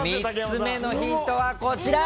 ３つ目のヒントはこちら！